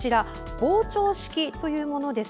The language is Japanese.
膨張式というものです。